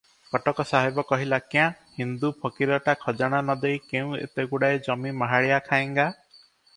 କଟକ ସାହେବ କହିଲା, "କ୍ୟାଁ, ହିନ୍ଦୁ ଫକୀରଟା ଖଜଣା ନ ଦେଇ କେଉଁ ଏତେଗୁଡ଼ାଏ ଜମି ମାହାଳିଅ ଖାଏଙ୍ଗା?